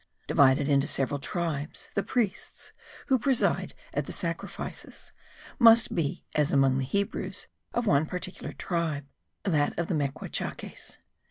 divided into several tribes, the priests, who preside at the sacrifices, must be (as among the Hebrews) of one particular tribe, that of the Mequachakes.